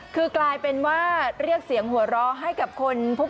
คือกลายเป็นว่าเรียกเสียงหัวเราะให้กับคนพวก